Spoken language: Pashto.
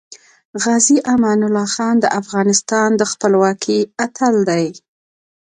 غازې امان الله خان د افغانستان د خپلواکۍ اتل دی .